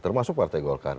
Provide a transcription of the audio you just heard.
termasuk partai golkar